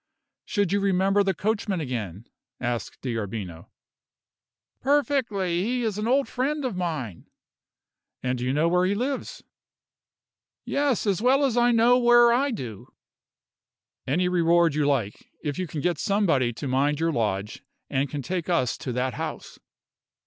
"Should you remember the coachman again?" asked D'Arbino. "Perfectly; he is an old friend of mine." "And you know where he lives?" "Yes; as well as I know where I do." "Any reward you like, if you can get somebody to mind your lodge, and can take us to that house."